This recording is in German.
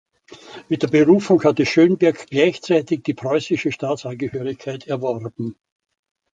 Mit der Berufung hatte Schönberg gleichzeitig die preußische Staatsangehörigkeit erworben.